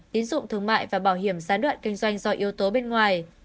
tín dụng thương mại và bảo hiểm gián đoạn kinh doanh do yếu tố bên ngoài